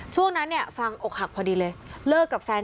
ช่วงนั้นฟางอกหักพอดีเลย